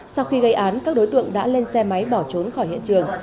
sau khi gây án các đối tượng đã lên xe máy bỏ trốn khỏi hiện trường